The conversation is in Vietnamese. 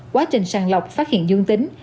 quá trình sàn lọc phát hiện dương tính